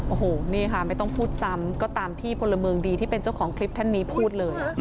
โอ้โหนี่ค่ะไม่ต้องพูดซ้ำก็ตามที่พลเมืองดีที่เป็นเจ้าของคลิปท่านนี้พูดเลย